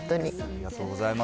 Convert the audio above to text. ありがとうございます。